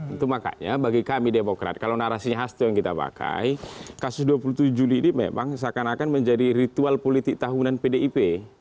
itu makanya bagi kami demokrat kalau narasinya hasto yang kita pakai kasus dua puluh tujuh juli ini memang seakan akan menjadi ritual politik tahunan pdip